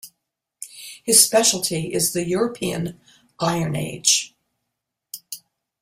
His speciality is the European Iron Age.